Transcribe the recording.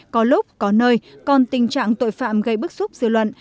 có lúc có nơi còn tình trạng tội phạm gây bức xúc dư luận